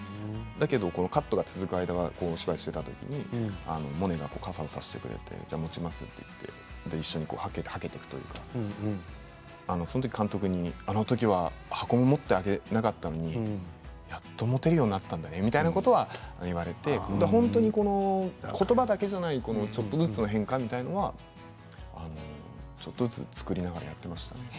カットが続く間はお芝居していたときにモネが傘を差してくれて持ちますと一緒にはけていくというかそのとき監督にあのときは箱を持ってあげなかったのにやっと持てるようになったんだねみたいなことは言われて本当に、ことばだけじゃないちょっとずつの変化みたいなものはちょっとずつ作りながらやっていましたね。